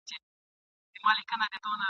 په تندي کي مو لیکلي د سپرلیو جنازې دي !.